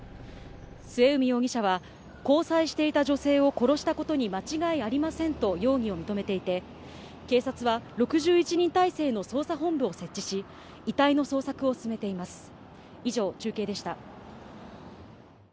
末海容疑者は交際していた女性を殺したことに間違いありませんと容疑を認めていて、警察は６１人体制の捜査本部を設置し、遺体の捜索を進めています。